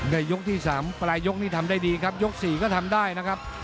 ในยกที่๓ปลายยกนี้ทำได้ดีครับยก๔ก็ทำได้นะครับ